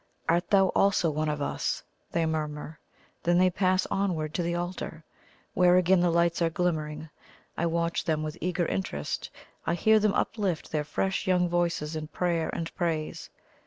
"Art thou also one of us?" they murmur; then they pass onward to the altar, where again the lights are glimmering. I watch them with eager interest; I hear them uplift their fresh young voices in prayer and praise.